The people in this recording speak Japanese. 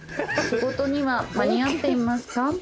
「仕事には間に合っていますか？」。